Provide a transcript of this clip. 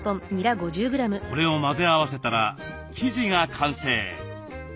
これを混ぜ合わせたら生地が完成。